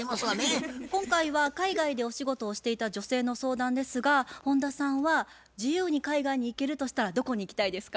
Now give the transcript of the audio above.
今回は海外でお仕事をしていた女性の相談ですが本田さんは自由に海外に行けるとしたらどこに行きたいですか？